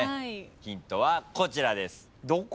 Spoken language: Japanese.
ヒントはこちらです。